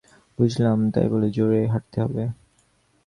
বুঝলাম, তাই বলে জোরে হাঁটতে হবে?